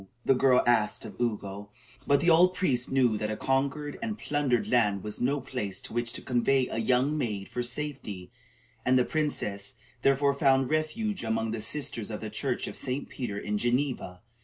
the girl asked of Ugo; but the old priest knew that a conquered and plundered land was no place to which to convey a young maid for safety, and the princess, therefore, found refuge among the sisters of the church of St. Peter in Geneva.